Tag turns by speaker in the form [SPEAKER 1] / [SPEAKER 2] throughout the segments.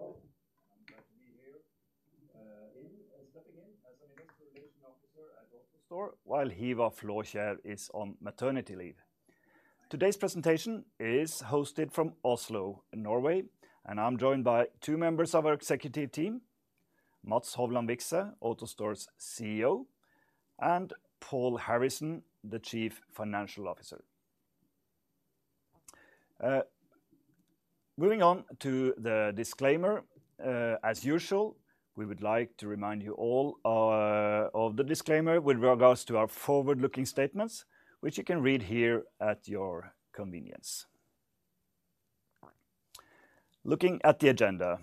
[SPEAKER 1] Good morning, and welcome to AutoStore's third quarter 2023 presentation. My name is Jo Christian Lund-Steigedal. I'm glad to be here, stepping in as an Investor Relations Officer at AutoStore, while Hiva Flåskjer is on maternity leave. Today's presentation is hosted from Oslo, Norway, and I'm joined by two members of our executive team, Mats Hovland Vikse, AutoStore's CEO, and Paul Harrison, the Chief Financial Officer. Moving on to the disclaimer, as usual, we would like to remind you all of the disclaimer with regards to our forward-looking statements, which you can read here at your convenience. Looking at the agenda,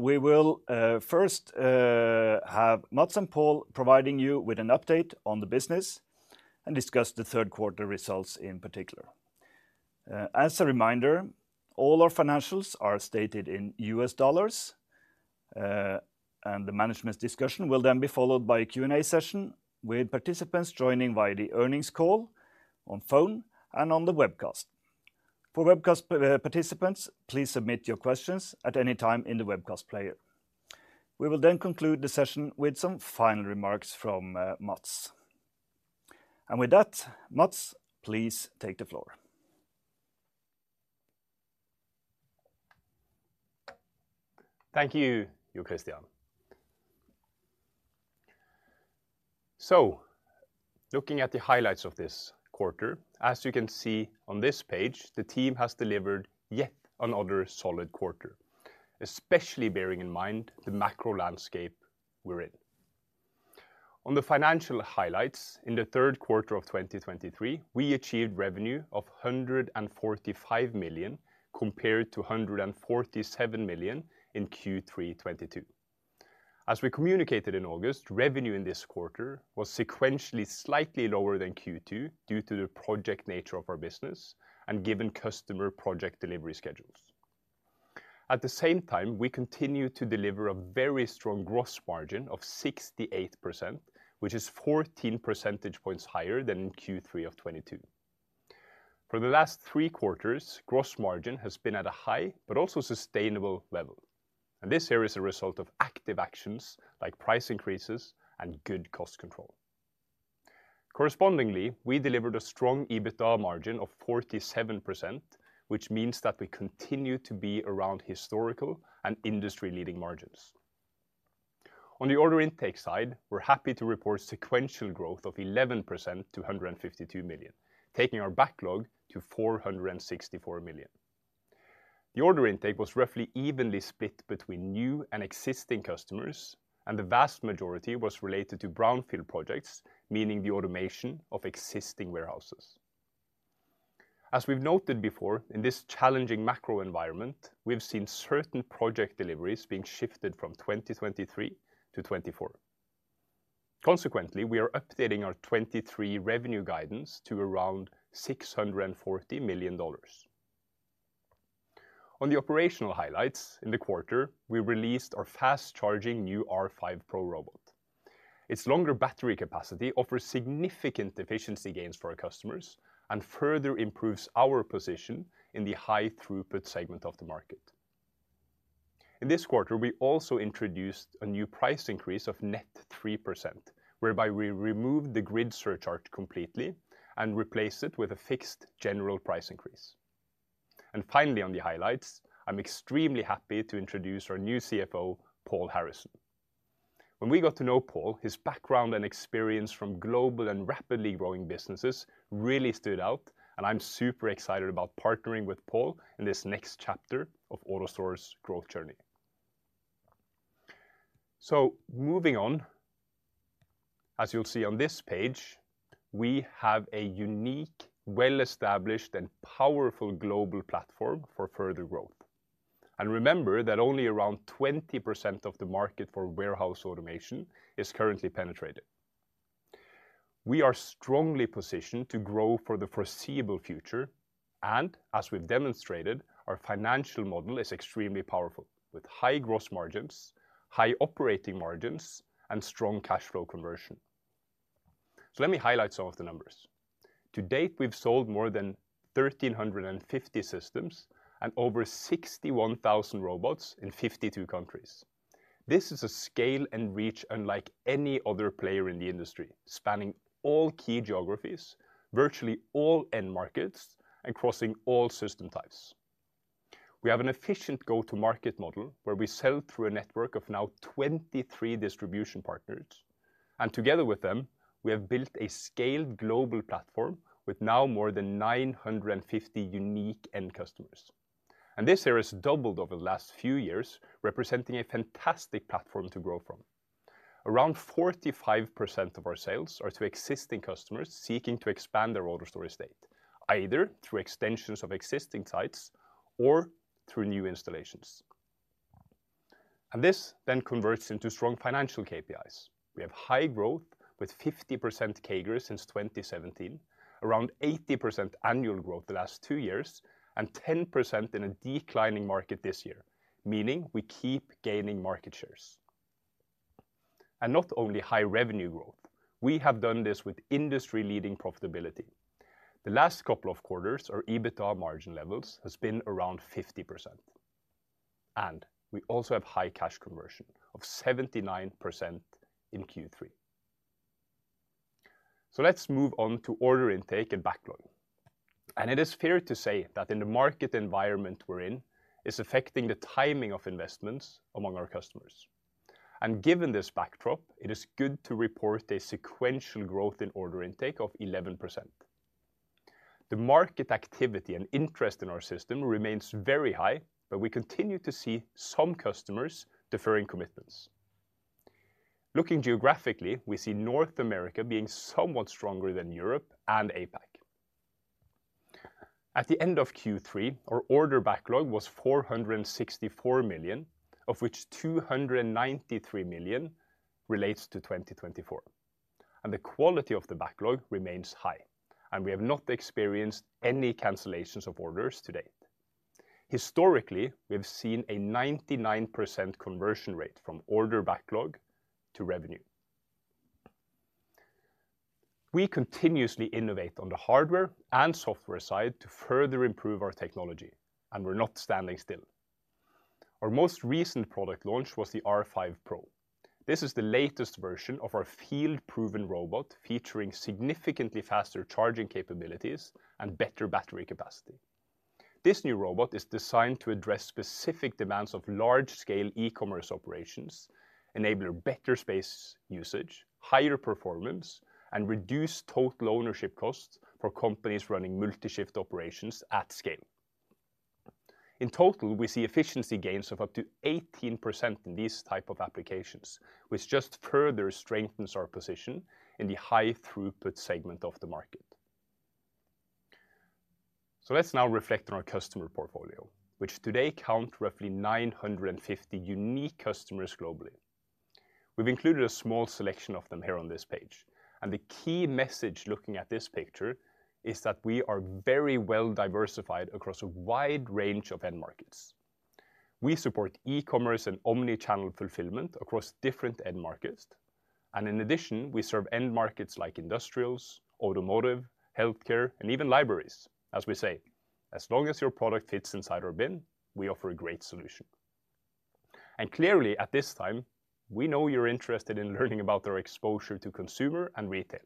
[SPEAKER 1] we will first have Mats and Paul providing you with an update on the business and discuss the third quarter results in particular. As a reminder, all our financials are stated in U.S. dollars, and the management's discussion will then be followed by a Q&A session with participants joining via the earnings call on phone and on the webcast. For webcast participants, please submit your questions at any time in the webcast player. We will then conclude the session with some final remarks from Mats. With that, Mats, please take the floor.
[SPEAKER 2] Thank you, Jo Christian. So, looking at the highlights of this quarter, as you can see on this page, the team has delivered yet another solid quarter, especially bearing in mind the macro landscape we're in. On the financial highlights, in the third quarter of 2023, we achieved revenue of $145 million, compared to $147 million in Q3 2022. As we communicated in August, revenue in this quarter was sequentially slightly lower than Q2 due to the project nature of our business and given customer project delivery schedules. At the same time, we continued to deliver a very strong gross margin of 68%, which is 14 percentage points higher than in Q3 of 2022. For the last 3 quarters, gross margin has been at a high but also sustainable level, and this here is a result of active actions like price increases and good cost control. Correspondingly, we delivered a strong EBITDA margin of 47%, which means that we continue to be around historical and industry-leading margins. On the order intake side, we're happy to report sequential growth of 11% to $152 million, taking our backlog to $464 million. The order intake was roughly evenly split between new and existing customers, and the vast majority was related to Brownfield projects, meaning the automation of existing warehouses. As we've noted before, in this challenging macro environment, we've seen certain project deliveries being shifted from 2023-2024. Consequently, we are updating our 2023 revenue guidance to around $640 million. On the operational highlights in the quarter, we released our fast-charging new R5 Pro robot. Its longer battery capacity offers significant efficiency gains for our customers and further improves our position in the High-throughput segment of the market. In this quarter, we also introduced a new price increase of net 3%, whereby we removed the grid surcharge completely and replaced it with a fixed general price increase. Finally, on the highlights, I'm extremely happy to introduce our new CFO, Paul Harrison. When we got to know Paul, his background and experience from global and rapidly growing businesses really stood out, and I'm super excited about partnering with Paul in this next chapter of AutoStore's growth journey. Moving on, as you'll see on this page, we have a unique, well-established, and powerful global platform for further growth. Remember that only around 20% of the market for warehouse automation is currently penetrated. We are strongly positioned to grow for the foreseeable future, and as we've demonstrated, our financial model is extremely powerful, with high gross margins, high operating margins, and strong cash flow conversion. Let me highlight some of the numbers. To date, we've sold more than 1,350 systems and over 61,000 robots in 52 countries. This is a scale and reach unlike any other player in the industry, spanning all key geographies, virtually all end markets, and crossing all system types. We have an efficient go-to-market model, where we sell through a network of now 23 distribution partners, and together with them, we have built a scaled global platform with now more than 950 unique end customers. This here has doubled over the last few years, representing a fantastic platform to grow from. Around 45% of our sales are to existing customers seeking to expand their AutoStore estate, either through extensions of existing sites or through new installations. This then converts into strong financial KPIs. We have high growth, with 50% CAGR since 2017, around 80% annual growth the last two years, and 10% in a declining market this year, meaning we keep gaining market shares... Not only high revenue growth, we have done this with industry-leading profitability. The last couple of quarters, our EBITDA margin levels has been around 50%, and we also have high cash conversion of 79% in Q3. Let's move on to order intake and backlog. It is fair to say that in the market environment we're in, it's affecting the timing of investments among our customers. Given this backdrop, it is good to report a sequential growth in order intake of 11%. The market activity and interest in our system remains very high, but we continue to see some customers deferring commitments. Looking geographically, we see North America being somewhat stronger than Europe and APAC. At the end of Q3, our order backlog was $464 million, of which $293 million relates to 2024, and the quality of the backlog remains high, and we have not experienced any cancellations of orders to date. Historically, we have seen a 99% conversion rate from order backlog to revenue. We continuously innovate on the hardware and software side to further improve our technology, and we're not standing still. Our most recent product launch was the R5 Pro. This is the latest version of our field-proven robot, featuring significantly faster charging capabilities and better battery capacity. This new robot is designed to address specific demands of large-scale e-commerce operations, enable better space usage, higher performance, and reduce total ownership costs for companies running multi-shift operations at scale. In total, we see efficiency gains of up to 18% in these type of applications, which just further strengthens our position in the high-throughput segment of the market. Let's now reflect on our customer portfolio, which today count roughly 950 unique customers globally. We've included a small selection of them here on this page, and the key message looking at this picture is that we are very well diversified across a wide range of end markets. We support e-commerce and omni-channel fulfillment across different end markets, and in addition, we serve end markets like industrials, automotive, healthcare, and even libraries. As we say, as long as your product fits inside our bin, we offer a great solution. And clearly, at this time, we know you're interested in learning about our exposure to consumer and retail.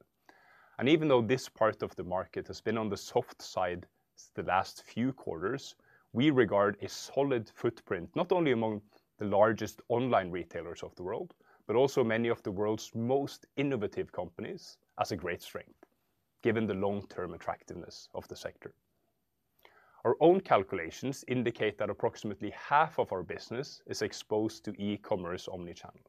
[SPEAKER 2] And even though this part of the market has been on the soft side the last few quarters, we regard a solid footprint, not only among the largest online retailers of the world, but also many of the world's most innovative companies, as a great strength, given the long-term attractiveness of the sector. Our own calculations indicate that approximately half of our business is exposed to e-commerce omni-channel.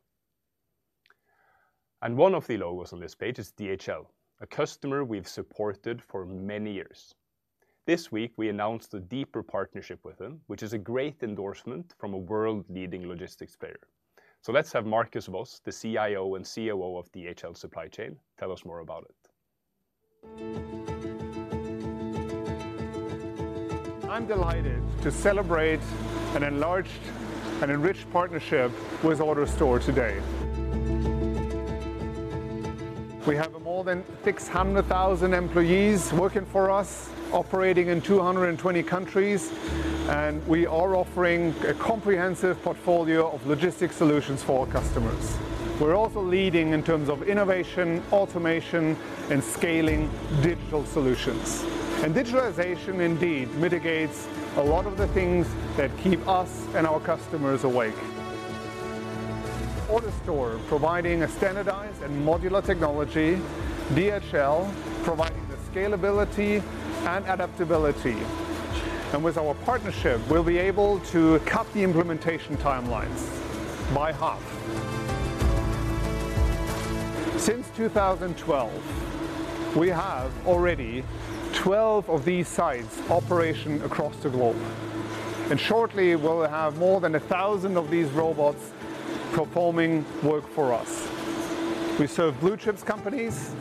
[SPEAKER 2] And one of the logos on this page is DHL, a customer we've supported for many years. This week, we announced a deeper partnership with them, which is a great endorsement from a world-leading logistics player. So let's have Markus Voss, the CIO and COO of DHL Supply Chain, tell us more about it.
[SPEAKER 3] I'm delighted to celebrate an enlarged and enriched partnership with AutoStore today. We have more than 600,000 employees working for us, operating in 220 countries, and we are offering a comprehensive portfolio of logistic solutions for our customers. We're also leading in terms of innovation, automation, and scaling digital solutions. Digitalization indeed mitigates a lot of the things that keep us and our customers awake. AutoStore, providing a standardized and modular technology, DHL, providing the scalability and adaptability. With our partnership, we'll be able to cut the implementation timelines by half. Since 2012, we have already 12 of these sites operating across the globe, and shortly, we'll have more than 1,000 of these robots performing work for us. We serve blue-chip companies,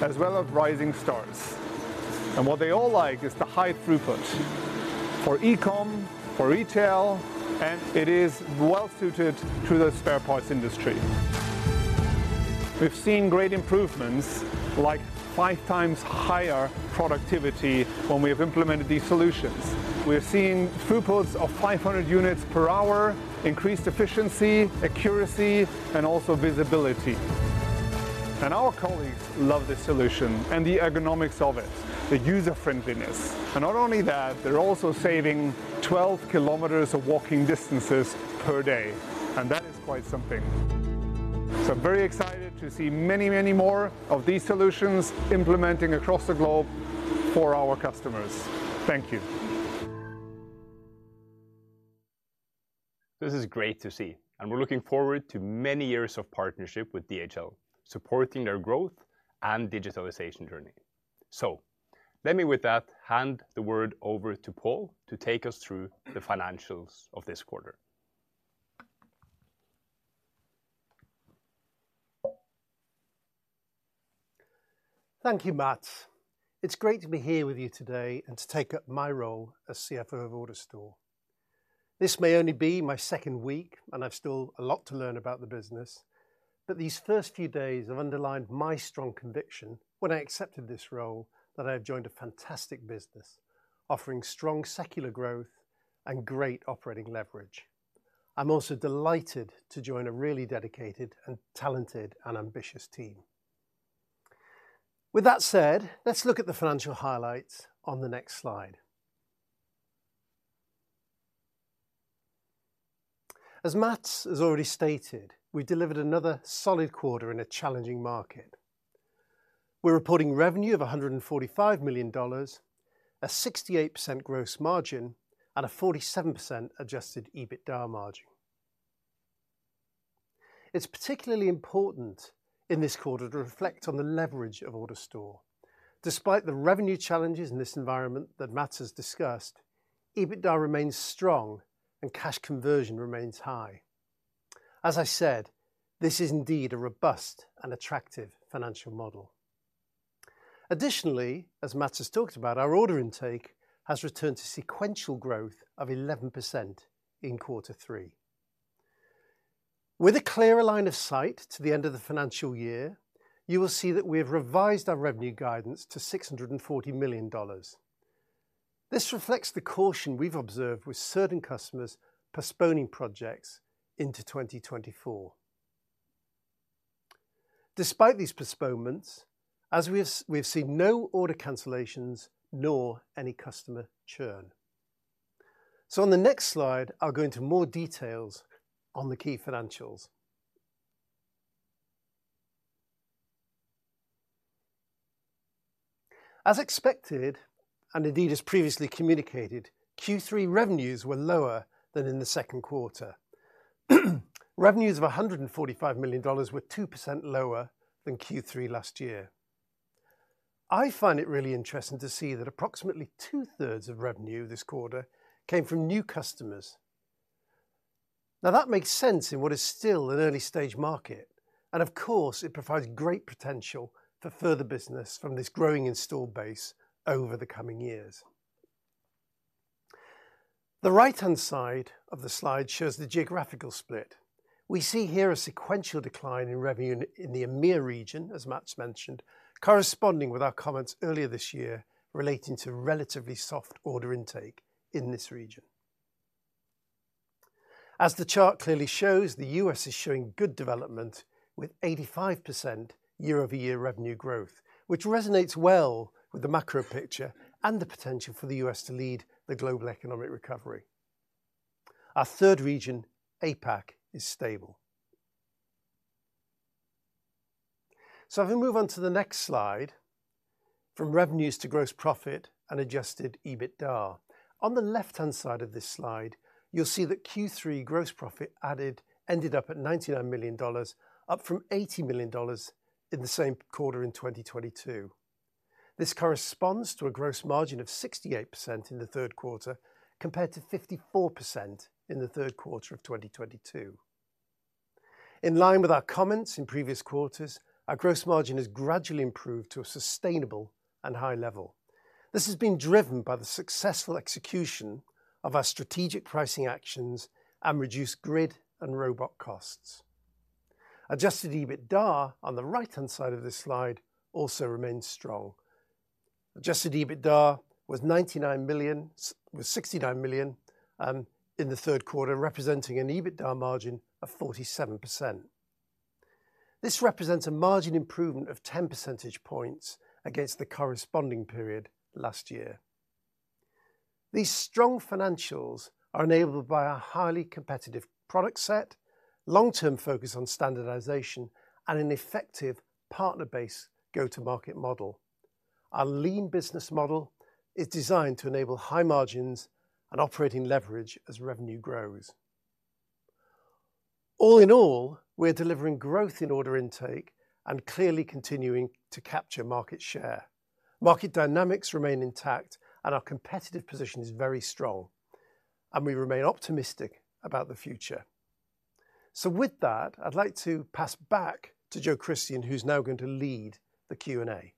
[SPEAKER 3] as well as rising stars, and what they all like is the high throughput for e-com, for retail, and it is well suited to the spare parts industry. We've seen great improvements, like 5 times higher productivity when we have implemented these solutions. We're seeing throughputs of 500 units per hour, increased efficiency, accuracy, and also visibility. Our colleagues love this solution and the ergonomics of it, the user-friendliness. Not only that, they're also saving 12 kilometers of walking distances per day, and that is quite something. I'm very excited to see many, many more of these solutions implementing across the globe for our customers. Thank you.
[SPEAKER 2] This is great to see, and we're looking forward to many years of partnership with DHL, supporting their growth and digitalization journey. So let me, with that, hand the word over to Paul to take us through the financials of this quarter. ...
[SPEAKER 4] Thank you, Mats. It's great to be here with you today and to take up my role as CFO of AutoStore. This may only be my second week, and I've still a lot to learn about the business, but these first few days have underlined my strong conviction when I accepted this role, that I have joined a fantastic business, offering strong secular growth and great operating leverage. I'm also delighted to join a really dedicated and talented and ambitious team. With that said, let's look at the financial highlights on the next slide. As Mats has already stated, we delivered another solid quarter in a challenging market. We're reporting revenue of $145 million, a 68% gross margin, and a 47% adjusted EBITDA margin. It's particularly important in this quarter to reflect on the leverage of AutoStore. Despite the revenue challenges in this environment that Mats has discussed, EBITDA remains strong and cash conversion remains high. As I said, this is indeed a robust and attractive financial model. Additionally, as Mats has talked about, our order intake has returned to sequential growth of 11% in quarter three. With a clearer line of sight to the end of the financial year, you will see that we have revised our revenue guidance to $640 million. This reflects the caution we've observed with certain customers postponing projects into 2024. Despite these postponements, as we've seen no order cancellations nor any customer churn. On the next slide, I'll go into more details on the key financials. As expected, and indeed as previously communicated, Q3 revenues were lower than in the second quarter. Revenue of $145 million was 2% lower than Q3 last year. I find it really interesting to see that approximately two-thirds of revenue this quarter came from new customers. Now, that makes sense in what is still an early-stage market, and of course, it provides great potential for further business from this growing installed base over the coming years. The right-hand side of the slide shows the geographical split. We see here a sequential decline in revenue in the EMEA region, as Mats mentioned, corresponding with our comments earlier this year, relating to relatively soft order intake in this region. As the chart clearly shows, the U.S. is showing good development, with 85% year-over-year revenue growth, which resonates well with the macro picture and the potential for the U.S. to lead the global economic recovery. Our third region, APAC, is stable. If we move on to the next slide, from revenues to gross profit and adjusted EBITDA. On the left-hand side of this slide, you'll see that Q3 gross profit added ended up at $99 million, up from $80 million in the same quarter in 2022. This corresponds to a gross margin of 68% in the third quarter, compared to 54% in the third quarter of 2022. In line with our comments in previous quarters, our gross margin has gradually improved to a sustainable and high level. This has been driven by the successful execution of our strategic pricing actions and reduced grid and robot costs. Adjusted EBITDA, on the right-hand side of this slide, also remains strong. Adjusted EBITDA was $99 million... was $69 million in the third quarter, representing an EBITDA margin of 47%. This represents a margin improvement of 10 percentage points against the corresponding period last year. These strong financials are enabled by our highly competitive product set, long-term focus on standardization, and an effective partner-based go-to-market model. Our lean business model is designed to enable high margins and operating leverage as revenue grows. All in all, we're delivering growth in order intake and clearly continuing to capture market share. Market dynamics remain intact, and our competitive position is very strong, and we remain optimistic about the future. With that, I'd like to pass back to Jo Christian, who's now going to lead the Q&A.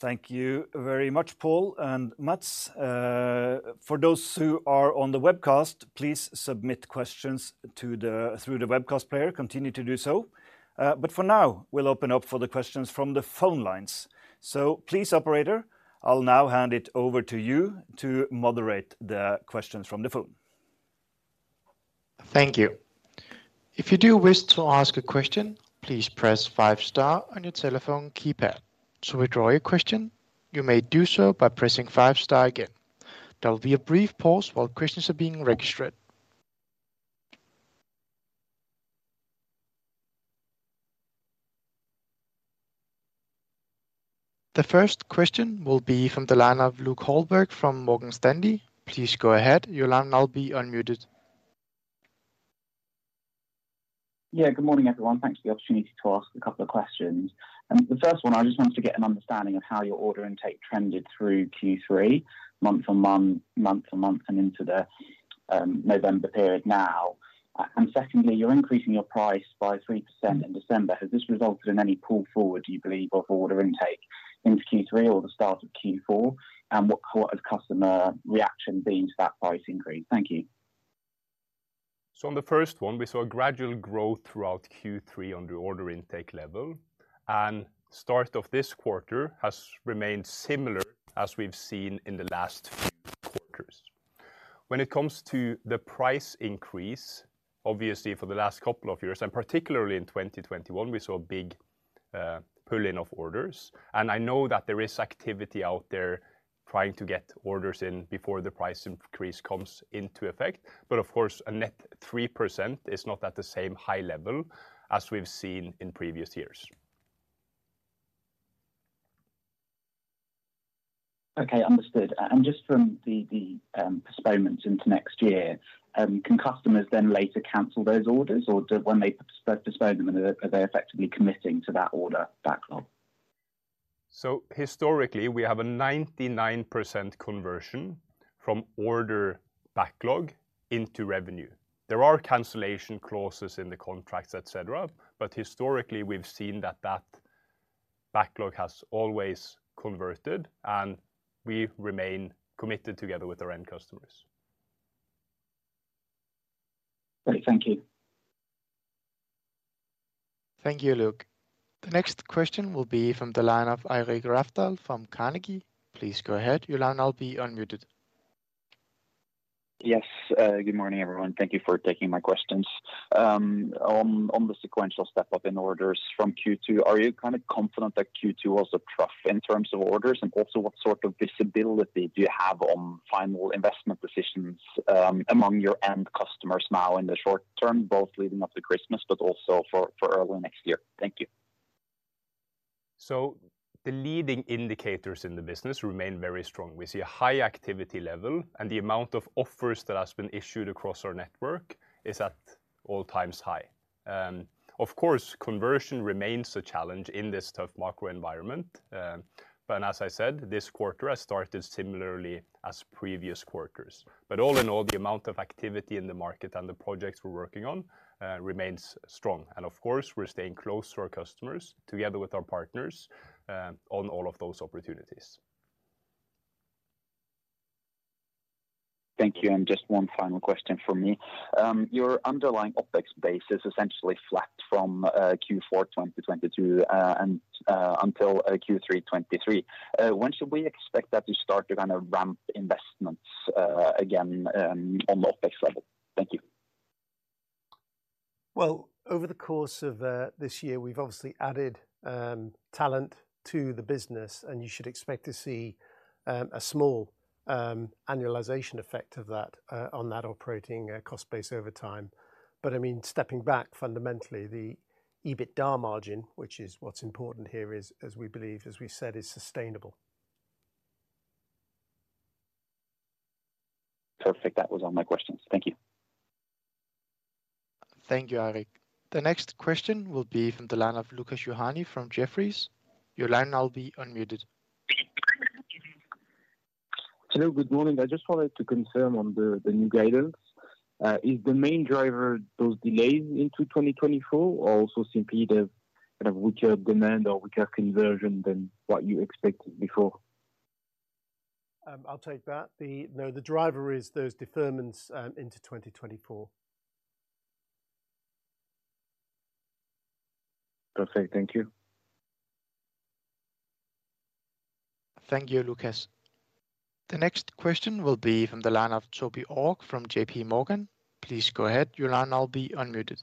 [SPEAKER 1] Thank you very much, Paul and Mats. For those who are on the webcast, please submit questions through the webcast player. Continue to do so, but for now, we'll open up for the questions from the phone lines. So please, operator, I'll now hand it over to you to moderate the questions from the phone.
[SPEAKER 5] Thank you. If you do wish to ask a question, please press five star on your telephone keypad. To withdraw your question, you may do so by pressing five star again. There will be a brief pause while questions are being registered. The first question will be from the line of Luke Holbrook from Morgan Stanley. Please go ahead. Your line will now be unmuted....
[SPEAKER 6] Yeah, good morning, everyone. Thanks for the opportunity to ask a couple of questions. The first one, I just wanted to get an understanding of how your order intake trended through Q3, month on month, month to month, and into the November period now. And secondly, you're increasing your price by 3% in December. Has this resulted in any pull forward, do you believe, of order intake into Q3 or the start of Q4? And what kind of customer reaction been to that price increase? Thank you.
[SPEAKER 2] So on the first one, we saw a gradual growth throughout Q3 on the order intake level, and start of this quarter has remained similar as we've seen in the last few quarters. When it comes to the price increase, obviously, for the last couple of years, and particularly in 2021, we saw a big, pull-in of orders, and I know that there is activity out there trying to get orders in before the price increase comes into effect. But of course, a net 3% is not at the same high level as we've seen in previous years.
[SPEAKER 6] Okay, understood. Just from the postponements into next year, can customers then later cancel those orders, or when they postpone them, are they effectively committing to that order backlog?
[SPEAKER 2] Historically, we have a 99% conversion from order backlog into revenue. There are cancellation clauses in the contracts, et cetera, but historically, we've seen that that backlog has always converted, and we remain committed together with our end customers.
[SPEAKER 6] Great. Thank you.
[SPEAKER 5] Thank you, Luke. The next question will be from the line of Eirik Rafdal from Carnegie. Please go ahead. Your line now being unmuted.
[SPEAKER 7] Yes, good morning, everyone. Thank you for taking my questions. On the sequential step-up in orders from Q2, are you kinda confident that Q2 was a trough in terms of orders? And also, what sort of visibility do you have on final investment decisions, among your end customers now in the short term, both leading up to Christmas but also for early next year? Thank you.
[SPEAKER 2] So the leading indicators in the business remain very strong. We see a high activity level, and the amount of offers that has been issued across our network is at all times high. Of course, conversion remains a challenge in this tough macro environment, but as I said, this quarter has started similarly as previous quarters. But all in all, the amount of activity in the market and the projects we're working on remains strong. And of course, we're staying close to our customers, together with our partners, on all of those opportunities.
[SPEAKER 7] Thank you, and just one final question from me. Your underlying OpEx base is essentially flat from Q4 2022 and until Q3 2023. When should we expect that to start to kind of ramp investments again on the OpEx level? Thank you.
[SPEAKER 4] Well, over the course of this year, we've obviously added talent to the business, and you should expect to see a small annualization effect of that on that operating cost base over time. But, I mean, stepping back, fundamentally, the EBITDA margin, which is what's important here, is, as we believe, as we said, is sustainable.
[SPEAKER 7] Perfect. That was all my questions. Thank you.
[SPEAKER 5] Thank you, Eirik. The next question will be from the line of Lucas Juhani from Jefferies. Your line now be unmuted.
[SPEAKER 8] Hello, good morning. I just wanted to confirm on the new guidance. Is the main driver those delays into 2024, or also simply the kind of weaker demand or weaker conversion than what you expected before?
[SPEAKER 4] I'll take that. No, the driver is those deferments into 2024.
[SPEAKER 8] Perfect. Thank you.
[SPEAKER 5] Thank you, Lukas. The next question will be from the line of Toby Ogg from JPMorgan. Please go ahead. Your line now be unmuted.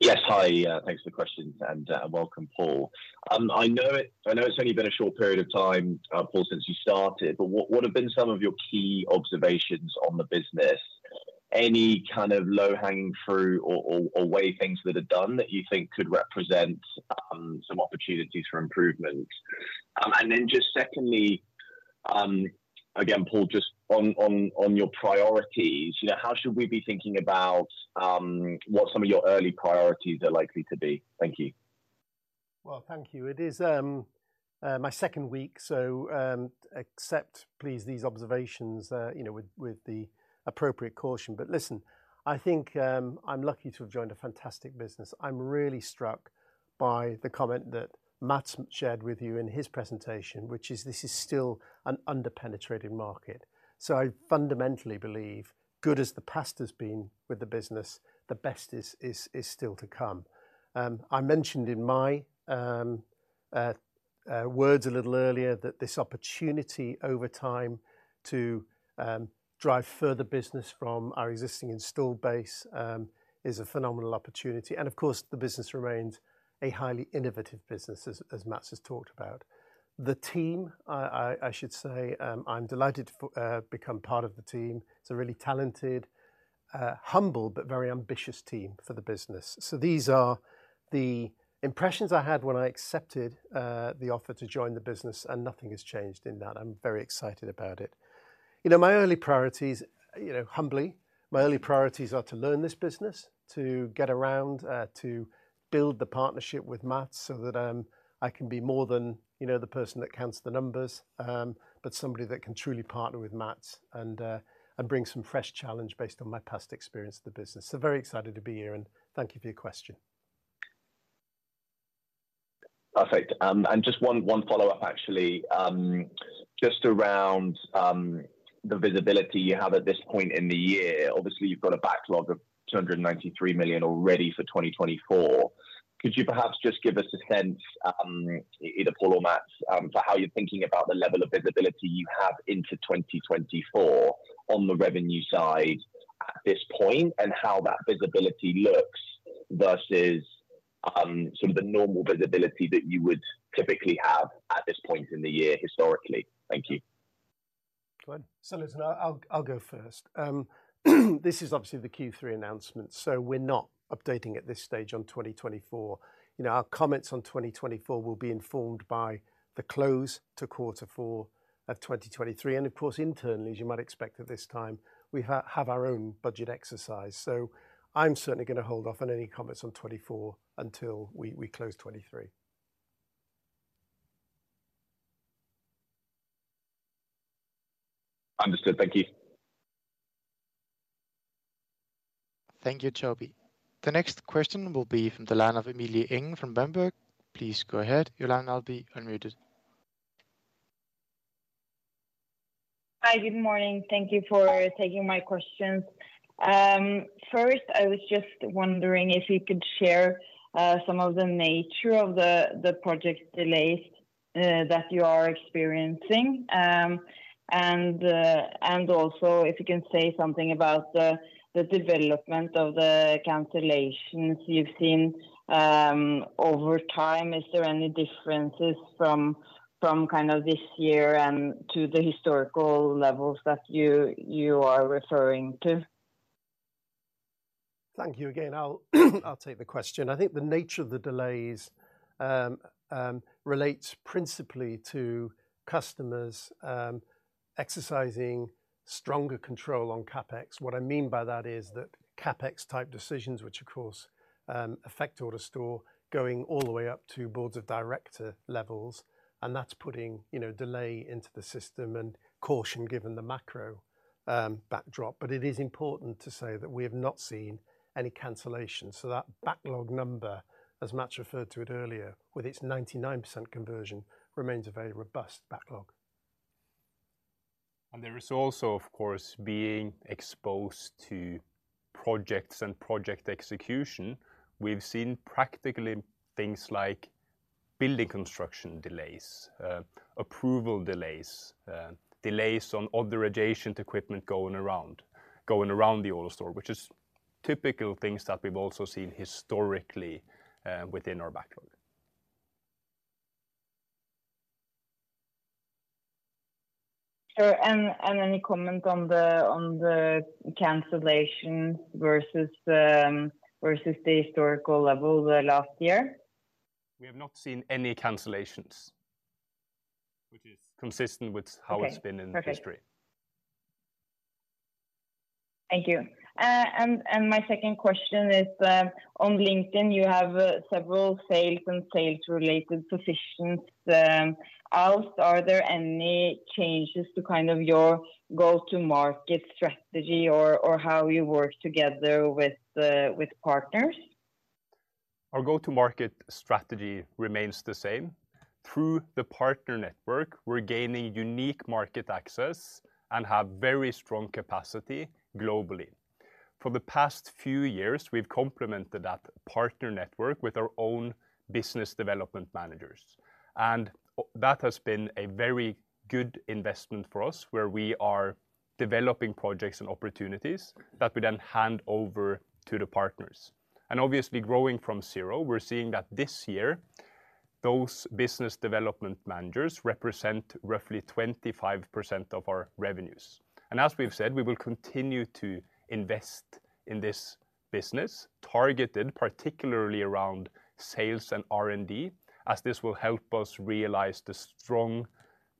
[SPEAKER 9] Yes. Hi, thanks for the questions, and, welcome, Paul. I know it, I know it's only been a short period of time, Paul, since you started, but what, what have been some of your key observations on the business? Any kind of low-hanging fruit or, or, or way things that are done that you think could represent, some opportunities for improvement? And then just secondly, again, Paul, just on, on, on your priorities, you know, how should we be thinking about, what some of your early priorities are likely to be? Thank you.
[SPEAKER 4] Well, thank you. It is my second week, so accept, please, these observations, you know, with the appropriate caution. But listen, I think I'm lucky to have joined a fantastic business. I'm really struck by the comment that Mats shared with you in his presentation, which is this is still an underpenetrated market. So I fundamentally believe, good as the past has been with the business, the best is still to come. I mentioned in my words a little earlier that this opportunity over time to drive further business from our existing installed base is a phenomenal opportunity, and of course, the business remains a highly innovative business, as Mats has talked about. The team, I should say, I'm delighted to become part of the team. It's a really talented, humble, but very ambitious team for the business. So these are the impressions I had when I accepted, the offer to join the business, and nothing has changed in that. I'm very excited about it. You know, my early priorities, you know, humbly, my early priorities are to learn this business, to get around, to build the partnership with Mats so that, I can be more than, you know, the person that counts the numbers, but somebody that can truly partner with Mats and, and bring some fresh challenge based on my past experience of the business. So very excited to be here, and thank you for your question.
[SPEAKER 9] Perfect. And just one follow-up, actually. Just around the visibility you have at this point in the year. Obviously, you've got a backlog of $293 million already for 2024. Could you perhaps just give us a sense, either Paul or Mats, for how you're thinking about the level of visibility you have into 2024 on the revenue side at this point? And how that visibility looks versus some of the normal visibility that you would typically have at this point in the year historically. Thank you.
[SPEAKER 4] Go on. So listen, I'll go first. This is obviously the Q3 announcement, so we're not updating at this stage on 2024. You know, our comments on 2024 will be informed by the close of quarter four of 2023, and of course, internally, as you might expect at this time, we have our own budget exercise. So I'm certainly gonna hold off on any comments on 2024 until we close 2023.
[SPEAKER 9] Understood. Thank you.
[SPEAKER 5] Thank you, Toby. The next question will be from the line of Emily Ng, from Berenberg. Please go ahead. Your line now be unmuted.
[SPEAKER 10] Hi, good morning. Thank you for taking my questions. First, I was just wondering if you could share some of the nature of the project delays that you are experiencing. And also if you can say something about the development of the cancellations you've seen over time. Is there any differences from kind of this year and to the historical levels that you are referring to?
[SPEAKER 4] Thank you again. I'll take the question. I think the nature of the delays relates principally to customers exercising stronger control on CapEx. What I mean by that is that CapEx type decisions, which of course affect AutoStore, going all the way up to boards of director levels, and that's putting, you know, delay into the system and caution given the macro backdrop. But it is important to say that we have not seen any cancellations. So that backlog number, as Mats referred to it earlier, with its 99% conversion, remains a very robust backlog.
[SPEAKER 2] There is also, of course, being exposed to projects and project execution. We've seen practically things like building construction delays, approval delays, delays on all the radiation equipment going around the AutoStore, which is typical things that we've also seen historically, within our backlog.
[SPEAKER 10] Sure. And any comment on the cancellation versus the historical level last year?
[SPEAKER 2] We have not seen any cancellations, which is consistent with how-
[SPEAKER 10] Okay, perfect...
[SPEAKER 2] it's been in the history.
[SPEAKER 10] Thank you. And my second question is, on LinkedIn, you have several sales and sales-related positions, else. Are there any changes to kind of your go-to-market strategy or how you work together with the partners?
[SPEAKER 2] Our go-to-market strategy remains the same. Through the partner network, we're gaining unique market access and have very strong capacity globally. For the past few years, we've complemented that partner network with our own business development managers, that has been a very good investment for us, where we are developing projects and opportunities that we then hand over to the partners. Obviously, growing from zero, we're seeing that this year, those business development managers represent roughly 25% of our revenues. As we've said, we will continue to invest in this business, targeted particularly around sales and R&D, as this will help us realize the strong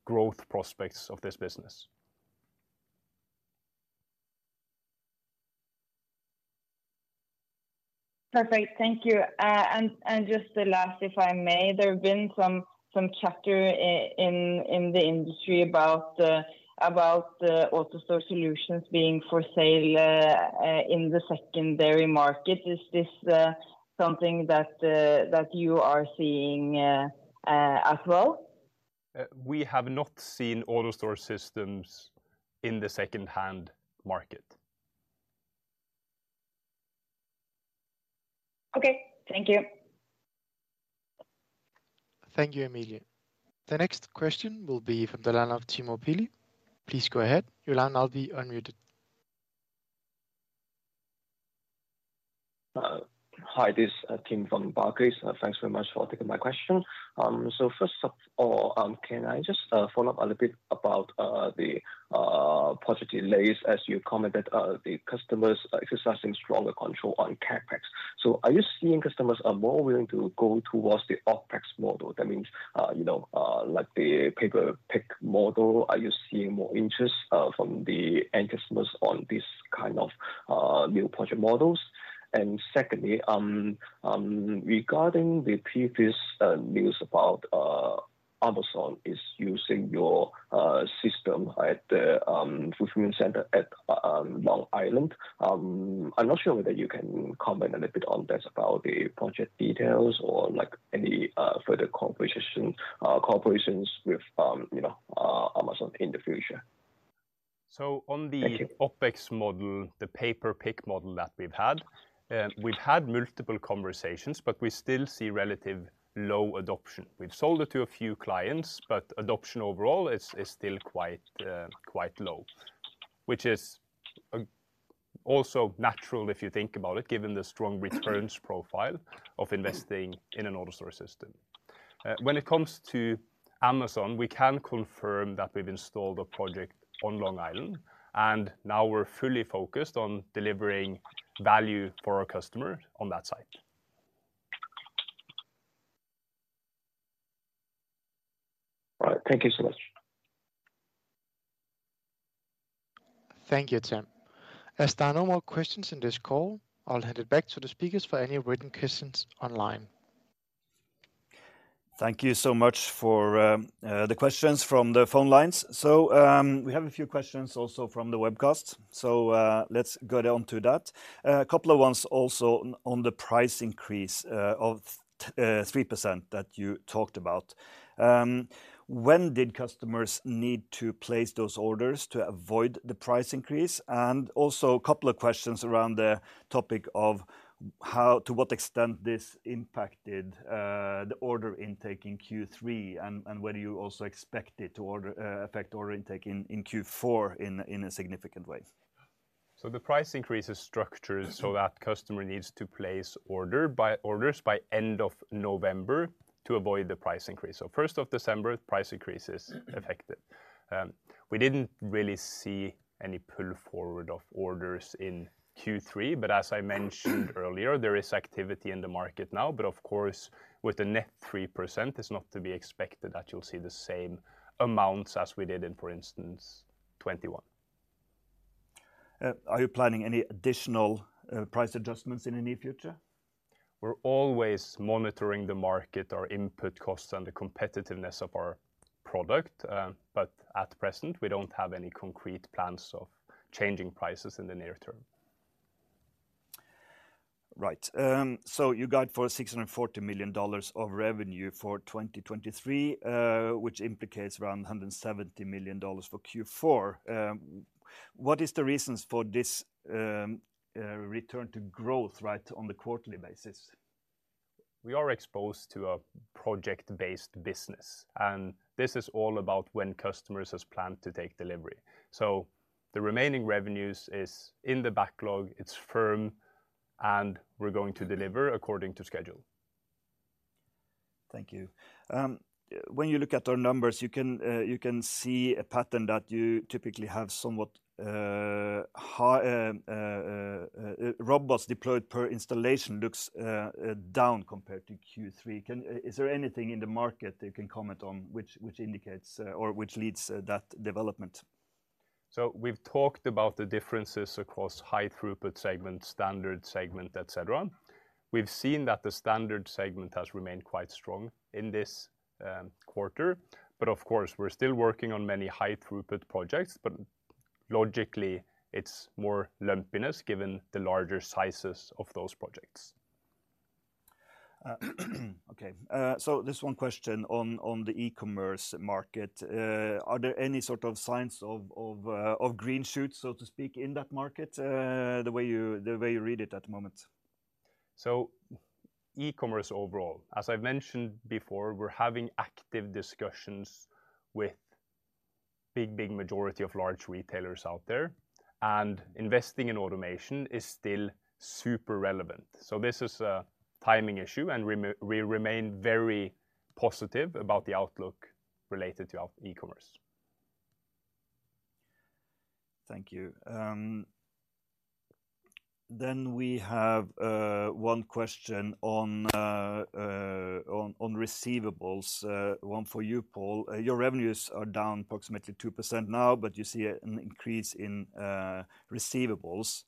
[SPEAKER 2] growth prospects of this business.
[SPEAKER 10] Perfect. Thank you. And just the last, if I may, there have been some chatter in the industry about the AutoStore solutions being for sale in the secondary market. Is this something that you are seeing as well?
[SPEAKER 2] We have not seen AutoStore systems in the second-hand market.
[SPEAKER 10] Okay. Thank you.
[SPEAKER 5] Thank you, Emily. The next question will be from the line of Tim Lee. Please go ahead. Your line now be unmuted.
[SPEAKER 11] Hi, this is Tim from Barclays. Thanks very much for taking my question. So first of all, can I just follow up a little bit about the project delays, as you commented, the customers exercising stronger control on CapEx. So are you seeing customers are more willing to go towards the OpEx model? That means, you know, like the Pay-per-Pick model. Are you seeing more interest from the end customers on this kind of new project models? ... and secondly, regarding the previous news about Amazon is using your system at the fulfillment center at Long Island. I'm not sure whether you can comment a little bit on this, about the project details or, like, any further conversation collaborations with, you know, Amazon in the future.
[SPEAKER 2] So on the-
[SPEAKER 11] Thank you...
[SPEAKER 2] OpEx model, the pay-per-pick model that we've had, we've had multiple conversations, but we still see relative low adoption. We've sold it to a few clients, but adoption overall is still quite low, which is also natural if you think about it, given the strong returns profile of investing in an AutoStore system. When it comes to Amazon, we can confirm that we've installed a project on Long Island, and now we're fully focused on delivering value for our customer on that site.
[SPEAKER 11] All right. Thank you so much.
[SPEAKER 5] Thank you, Tim. As there are no more questions in this call, I'll hand it back to the speakers for any written questions online.
[SPEAKER 1] Thank you so much for the questions from the phone lines. So, we have a few questions also from the webcast. So, let's go down to that. A couple of ones also on the price increase of 3% that you talked about. When did customers need to place those orders to avoid the price increase? And also, a couple of questions around the topic of to what extent this impacted the order intake in Q3, and whether you also expect it to affect order intake in Q4 in a significant way.
[SPEAKER 2] So the price increase is structured so that customer needs to place orders by end of November to avoid the price increase. So first of December, price increase is effective. We didn't really see any pull forward of orders in Q3, but as I mentioned earlier, there is activity in the market now. But of course, with the net 3%, it's not to be expected that you'll see the same amounts as we did in, for instance, 2021.
[SPEAKER 1] Are you planning any additional price adjustments in the near future?
[SPEAKER 2] We're always monitoring the market, our input costs, and the competitiveness of our product. But at present, we don't have any concrete plans of changing prices in the near term.
[SPEAKER 1] Right. So you guide for $640 million of revenue for 2023, which implicates around $170 million for Q4. What is the reasons for this, return to growth, right, on the quarterly basis?
[SPEAKER 2] We are exposed to a project-based business, and this is all about when customers has planned to take delivery. So the remaining revenues is in the backlog, it's firm, and we're going to deliver according to schedule.
[SPEAKER 1] Thank you. When you look at our numbers, you can, you can see a pattern that you typically have somewhat high robots deployed per installation looks down compared to Q3. Is there anything in the market that you can comment on, which, which indicates or which leads that development?
[SPEAKER 2] So we've talked about the differences across High Throughput segment, standard segment, et cetera. We've seen that the standard segment has remained quite strong in this quarter. But of course, we're still working on many High Throughput projects. But logically, it's more lumpiness, given the larger sizes of those projects.
[SPEAKER 1] Okay, so just one question on the e-commerce market. Are there any sort of signs of green shoots, so to speak, in that market, the way you, the way you read it at the moment?
[SPEAKER 2] So e-commerce overall, as I've mentioned before, we're having active discussions with big, big majority of large retailers out there, and investing in automation is still super relevant. So this is a timing issue, and we remain very positive about the outlook related to our e-commerce.
[SPEAKER 1] Thank you. Then we have one question on receivables, one for you, Paul. Your revenues are down approximately 2% now, but you see an increase in receivables.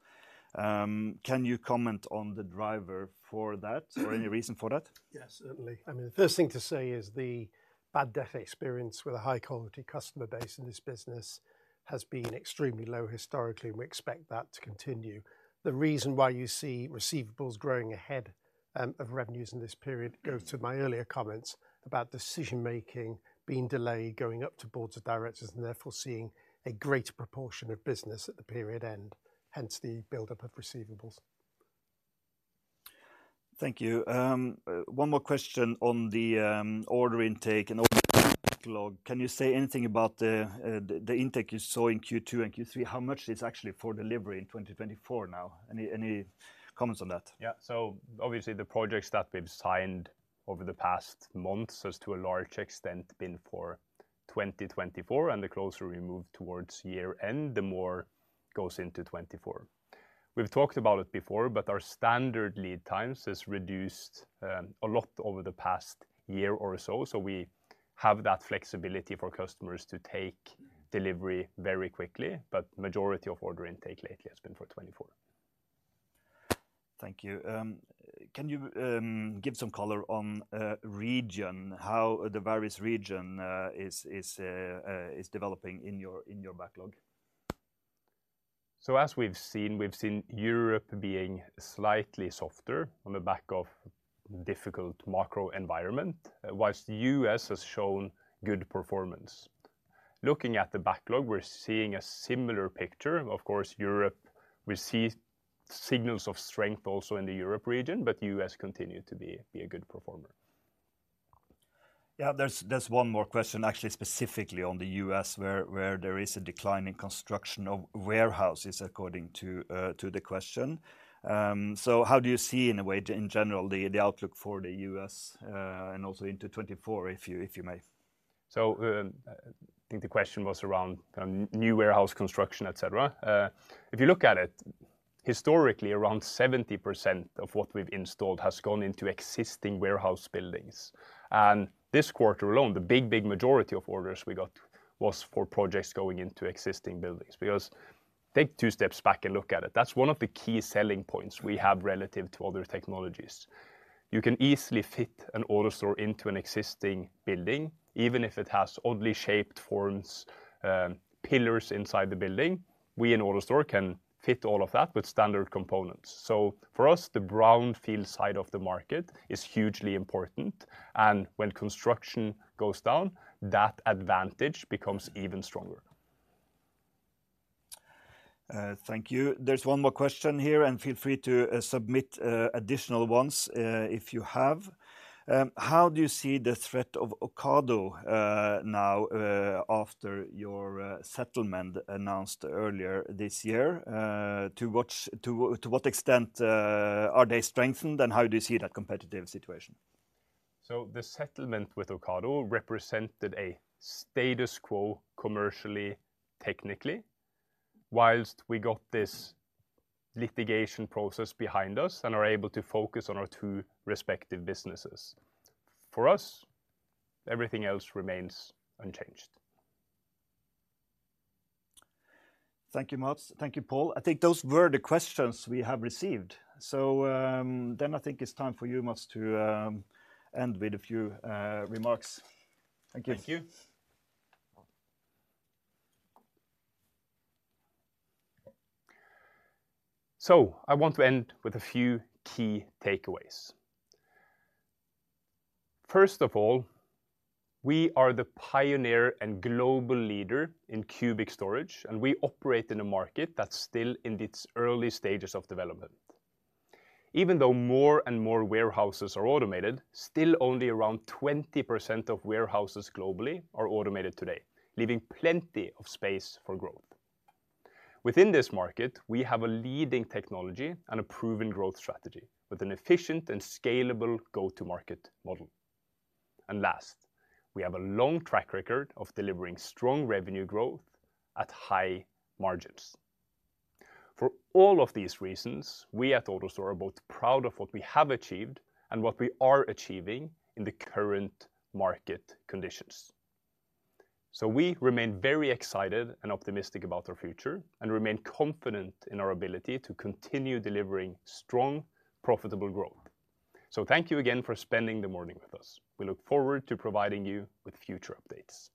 [SPEAKER 1] Can you comment on the driver for that or any reason for that?
[SPEAKER 4] Yes, certainly. I mean, the first thing to say is the bad debt experience with a high quality customer base in this business has been extremely low historically, and we expect that to continue. The reason why you see receivables growing ahead, of revenues in this period goes to my earlier comments about decision-making being delayed, going up to boards of directors, and therefore seeing a greater proportion of business at the period end, hence the buildup of receivables.
[SPEAKER 1] Thank you. One more question on the order intake and order backlog. Can you say anything about the intake you saw in Q2 and Q3? How much is actually for delivery in 2024 now? Any comments on that?
[SPEAKER 2] Yeah. So obviously, the projects that we've signed over the past months has, to a large extent, been for 2024, and the closer we move towards year end, the more goes into 2024. We've talked about it before, but our standard lead times has reduced a lot over the past year or so. So we have that flexibility for customers to take delivery very quickly, but majority of order intake lately has been for 2024.
[SPEAKER 1] Thank you. Can you give some color on region, how the various region is developing in your backlog?
[SPEAKER 2] As we've seen, we've seen Europe being slightly softer on the back of difficult macro environment, while the U.S. has shown good performance. Looking at the backlog, we're seeing a similar picture. Of course, Europe, we see signals of strength also in the Europe region, but U.S. continue to be a good performer.
[SPEAKER 1] Yeah, there's, there's one more question actually, specifically on the U.S., where, where there is a decline in construction of warehouses, according to to the question. So how do you see in a way, in general, the, the outlook for the U.S., and also into 2024, if you, if you may?
[SPEAKER 2] So, I think the question was around new warehouse construction, et cetera. If you look at it, historically, around 70% of what we've installed has gone into existing warehouse buildings. And this quarter alone, the big, big majority of orders we got was for projects going into existing buildings. Because take two steps back and look at it. That's one of the key selling points we have relative to other technologies. You can easily fit an AutoStore into an existing building, even if it has oddly shaped forms, pillars inside the building. We in AutoStore can fit all of that with standard components. So for us, the Brownfield side of the market is hugely important, and when construction goes down, that advantage becomes even stronger.
[SPEAKER 1] Thank you. There's one more question here, and feel free to submit additional ones if you have. How do you see the threat of Ocado now, after your settlement announced earlier this year? To what extent are they strengthened, and how do you see that competitive situation?
[SPEAKER 2] So the settlement with Ocado represented a status quo commercially, technically, whilst we got this litigation process behind us and are able to focus on our two respective businesses. For us, everything else remains unchanged.
[SPEAKER 1] Thank you, Mats. Thank you, Paul. I think those were the questions we have received. So, then I think it's time for you, Mats, to end with a few remarks. Thank you.
[SPEAKER 2] Thank you. I want to end with a few key takeaways. First of all, we are the pioneer and global leader in cubic storage, and we operate in a market that's still in its early stages of development. Even though more and more warehouses are automated, still only around 20% of warehouses globally are automated today, leaving plenty of space for growth. Within this market, we have a leading technology and a proven growth strategy, with an efficient and scalable go-to-market model. Last, we have a long track record of delivering strong revenue growth at high margins. For all of these reasons, we at AutoStore are both proud of what we have achieved and what we are achieving in the current market conditions. We remain very excited and optimistic about our future and remain confident in our ability to continue delivering strong, profitable growth. Thank you again for spending the morning with us. We look forward to providing you with future updates.